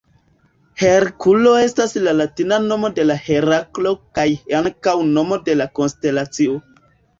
Herkulo estas la latina nomo de Heraklo kaj ankaŭ nomo de konstelacio.